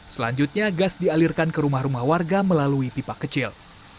selanjutnya gas dialirkan ke rumah rumah warga melalui pipa kecil